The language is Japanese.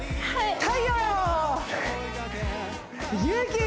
はい！